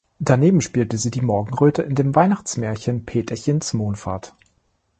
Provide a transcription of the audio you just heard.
Daneben spielte sie die Morgenröte in dem Weihnachtsmärchen "Peterchens Mondfahrt".